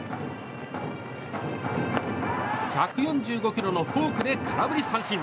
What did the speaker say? １４５キロのフォークで空振り三振。